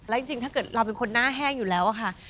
แล้วจริงถ้าเกิดเราเป็นคนหน้าแห้งอยู่แล้วอะค่ะ